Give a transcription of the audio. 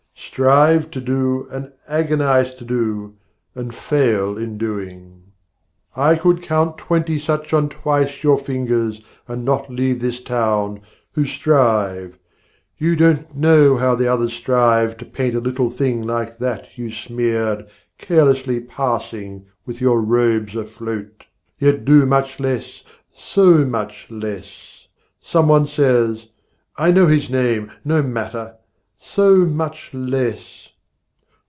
strive to do, and agonize to do, And fail in doing. I could count twenty such On twice your fingers, and not leave this town, Who strive you don't know how the others strive To paint a little thing like that you smeared Carelessly passing with your robes afloat, Yet do much less, so much less, Someone says, (I know his name, no matter) so much less!